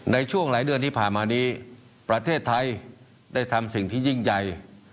ในช่วงหลายเดือนที่ผ่านมานี้ประเทศไทยได้ทำสิ่งที่ยิ่งใหญ่